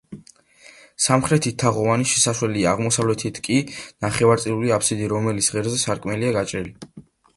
სამხრეთით თაღოვანი შესასვლელია, აღმოსავლეთით კი ნახევარწრიული აფსიდი, რომლის ღერძზე სარკმელია გაჭრილი.